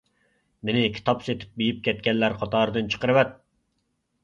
مېنى كىتاب سېتىپ بېيىپ كەتكەنلەر قاتارىدىن چىقىرىۋەت.